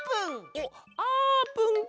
おっあーぷんか！